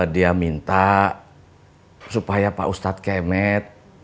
dia minta supaya pak ustadz kemet